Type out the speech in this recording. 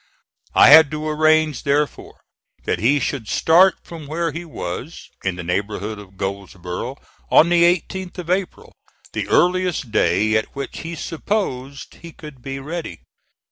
I had to arrange, therefore, that he should start from where he was, in the neighborhood of Goldsboro on the 18th of April, the earliest day at which he supposed he could be ready.